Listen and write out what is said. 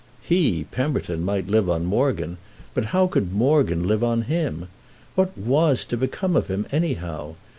He, Pemberton, might live on Morgan; but how could Morgan live on him? What was to become of him anyhow?